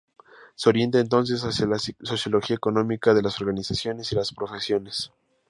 Se orienta entonces hacia la sociología económica, de las organizaciones y las profesiones.